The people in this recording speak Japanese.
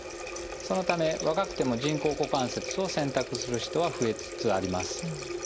そのため若くても人工股関節を選択する人は増えつつあります。